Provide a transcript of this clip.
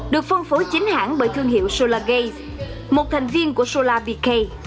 được phân phối chính hãng bởi thương hiệu solargaze một thành viên của solarpk